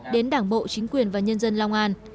đến đảng bộ chính quyền và nhân dân long an